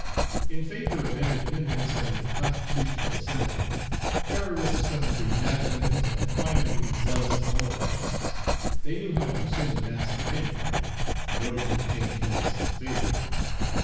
In favor of independence under the constitutional assembly, terrorists under the Jacobins, and, finally, zealous Bonapartists, they knew how to assume the mask of any party, in order to obtain place and favor.